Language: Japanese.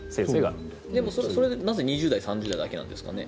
でも、それでなぜ２０代３０代だけなんですかね？